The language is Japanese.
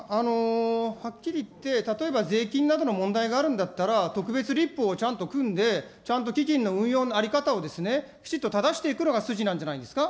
はっきり言って、例えば税金などの問題があるんだったら、特別立法をちゃんと組んで、ちゃんと基金の運用の在り方をきちっと正していくのが筋なんじゃないですか。